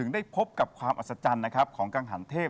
ได้พบกับความอัศจรรย์ของกังหันเทพ